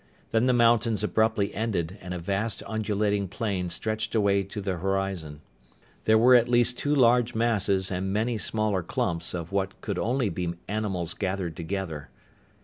Then the mountains abruptly ended and a vast undulating plain stretched away to the horizon. There were at least two large masses and many smaller clumps of what could only be animals gathered together.